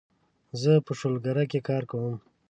زه په شولګره کې کار کوم